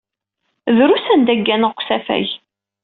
Drus anda i gganeɣ deg usafag.